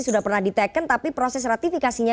sudah pernah diteken tapi proses ratifikasinya